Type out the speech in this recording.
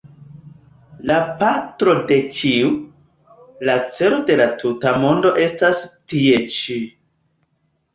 La patro de ĉiu, la celo de la tuta mondo estas tie ĉi.